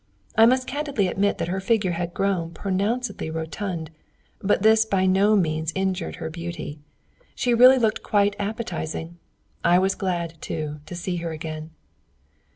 I must candidly admit that her figure had grown pronouncedly rotund, but this by no means injured her beauty. She really looked quite appetizing! I was very glad, too, to see her again.